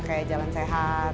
kayak jalan sehat